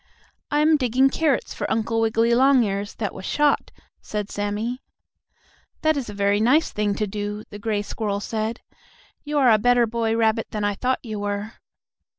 "I am digging carrots for Uncle Wiggily Longears that was shot," said Sammie. "That is a very nice thing to do," the gray squirrel said. "You are a better boy rabbit than I thought you were."